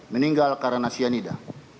meninggal karena sianida